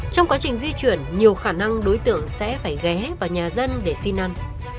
trong quá trình di chuyển nhiều khả năng đối tượng sẽ phải ghé vào nhà dân để xin ăn